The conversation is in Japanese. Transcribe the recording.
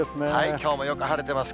きょうもよく晴れてます。